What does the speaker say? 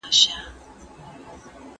د الله تعالی رضا ترلاسه کول تر هر څه لوړ دي.